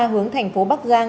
hướng thành phố bắc giang